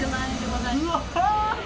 うわ！